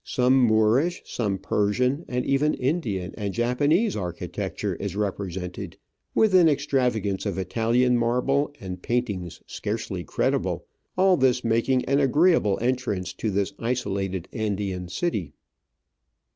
Some Moorish, some Persian, and even Indian and Japanese archi tecture is represented, with an extravagance of Italian marble and paintings scarcely credible, all this making an agreeable entrance to this isolated Andean city.